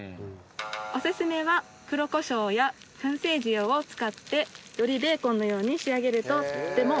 おすすめは黒コショウや薫製塩を使ってよりベーコンのように仕上げるととても美味しいです。